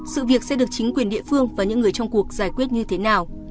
sự việc sẽ được chính quyền địa phương và những người trong cuộc giải quyết như thế nào